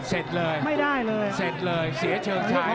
เสร็จเลยไม่ได้เลยเสร็จเลยเสียเชิงชาย